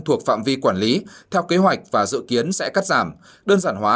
thuộc phạm vi quản lý theo kế hoạch và dự kiến sẽ cắt giảm đơn giản hóa